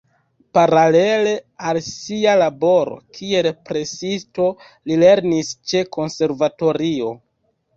Paralele al sia laboro kiel presisto li lernis ĉe konservatorio.